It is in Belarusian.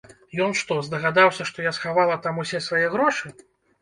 Ён што, здагадаўся, што я схавала там усе свае грошы?